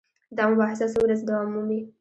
دا مباحثه څو ورځې دوام مومي.